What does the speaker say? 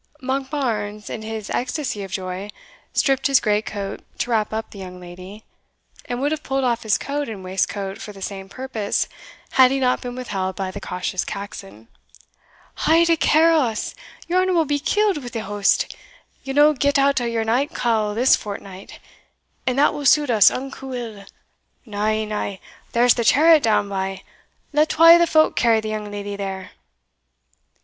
Monkbarns, in his ecstasy of joy, stripped his great coat to wrap up the young lady, and would have pulled off his coat and waistcoat for the same purpose, had he not been withheld by the cautious Caxon. "Haud a care o' us! your honour will be killed wi' the hoast ye'll no get out o'your night cowl this fortnight and that will suit us unco ill. Na, na there's the chariot down by; let twa o' the folk carry the young leddy there."